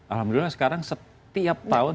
alhamdulillah sekarang setiap tahun